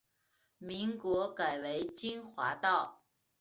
民国改为金华道。